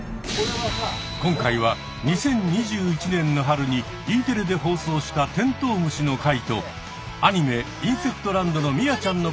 今回は２０２１年の春にＥテレで放送したテントウムシの回とアニメ「インセクトランド」のミアちゃんの回を合体。